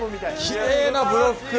きれいなブロック！